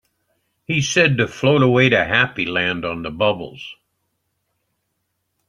He said to float away to Happy Land on the bubbles.